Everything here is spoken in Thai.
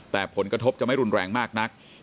แต่ผลกระทบจะไม่รุนแรงมากนัก